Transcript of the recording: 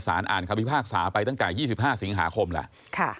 อ่านคำพิพากษาไปตั้งแต่๒๕สิงหาคมแล้ว